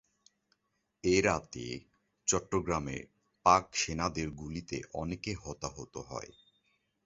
এ রাতে চট্টগ্রামে পাক সেনাদের গুলিতে অনেকে হতাহত হয়।